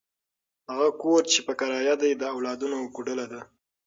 هغه کور چې په کرایه دی، د اولادونو کوډله ده.